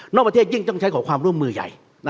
ประเทศยิ่งต้องใช้ขอความร่วมมือใหญ่